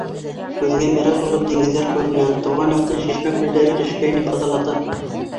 Күҙгә мираж булып диңгеҙҙәр күренә, тыуған яҡтың шишмә-күлдәре төшкә инеп ыҙалата.